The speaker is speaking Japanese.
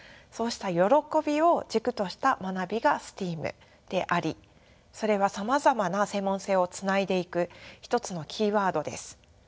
そうした歓びを軸とした学びがＳＴＥＡＭでありそれはさまざまな専門性をつないでいく一つのキーワードです。